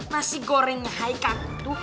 nasi gorengnya hai kaku itu